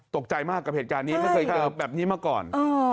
ตกใจมากกับเหตุการณ์นี้ไม่เคยเจอแบบนี้มาก่อน